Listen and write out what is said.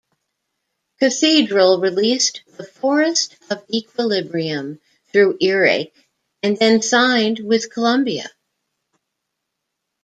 Cathedral released "The Forest of Equilibrium" through Earache and then signed with Columbia.